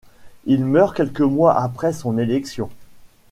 Il meurt quelques mois après son élection.